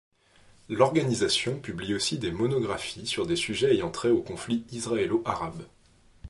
L'organisation publie aussi des monographies sur des sujets ayant trait au conflit israélo-arabe.